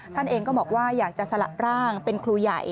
ท่านเองก็บอกว่าอยากจะสละร่างเป็นครูใหญ่